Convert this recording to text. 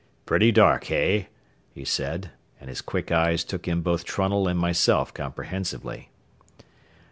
"Pretty dark, hey?" he said, and his quick eyes took in both Trunnell and myself comprehensively.